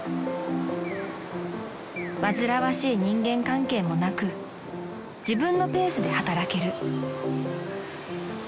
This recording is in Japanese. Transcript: ［煩わしい人間関係もなく自分のペースで働ける］